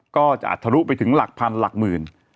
ก็จะทะลุไปถึงหลักพันหลักหมื่น